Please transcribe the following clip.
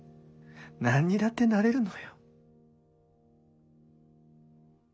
何にだってなれるのよ」。